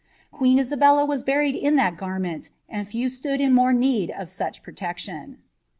Queen Isabella was buried in tliat gar ment, and few stood more in need of such protection.